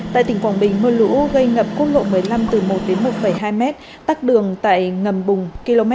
tại tỉnh quảng bình mưa lũ gây ngập khuôn lộ một mươi năm từ một đến một hai m tắc đường tại ngầm bùng km năm trăm sáu mươi hai hai trăm linh